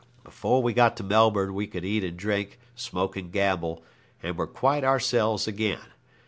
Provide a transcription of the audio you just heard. Before we got to Melbourne we could eat and drink, smoke and gamble, and were quite ourselves again.